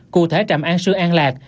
cụ thể trạm an sương an lạc